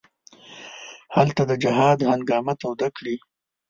هلته د جهاد هنګامه توده کړي.